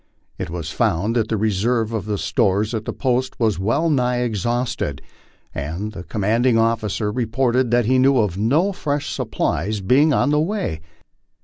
It was found that the reserve of stores at the post was well nigh exhausted, and the commanding officer reported that he knew of no fresh supplies being on the way.